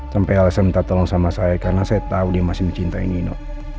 sampai lsm minta tolong sama saya karena saya tahu dia masih mencintai nino